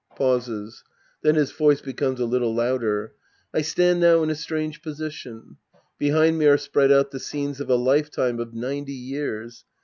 {Pauses. Then his voice becomes a little louder.) I stand now in a strange position. Behind me are spread out the scenes of a lifetime of ninety years.